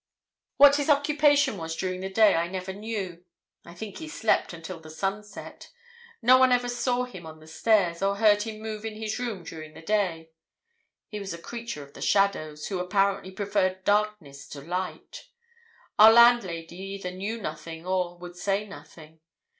"What his occupation was during the day I never knew. I think he slept until the sun set. No one ever saw him on the stairs, or heard him move in his room during the day. He was a creature of the shadows, who apparently preferred darkness to light. Our landlady either knew nothing, or would say nothing.